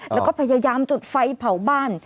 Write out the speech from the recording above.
แล้วก็พยายามจุดไฟเผาบ้าน